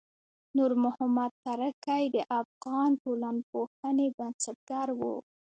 نورمحمد ترکی د افغان ټولنپوهنې بنسټګر و.